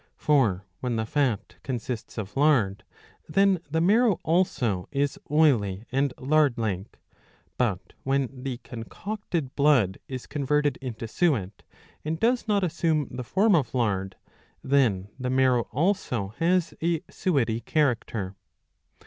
For when the fat consists of lard, then the marrow also is oily and lard like ; but when the concocted blood is converted into suet, and does not assume the form of lard, then the marrow also has a suety character.